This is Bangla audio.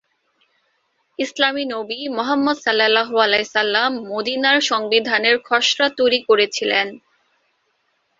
ইসলামী নবী মুহাম্মাদ মদিনার সংবিধানের খসড়া তৈরি করেছিলেন।